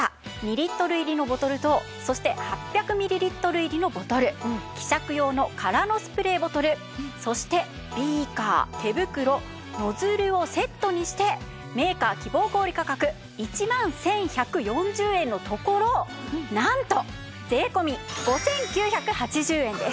２リットル入りのボトルとそして８００ミリリットル入りのボトル希釈用の空のスプレーボトルそしてビーカー手袋ノズルをセットにしてメーカー希望小売価格１万１１４０円のところなんと税込５９８０円です！